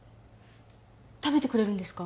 食べてくれるんですか？